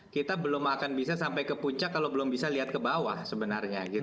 kita belum akan bisa sampai ke puncak kalau belum bisa lihat ke bawah sebenarnya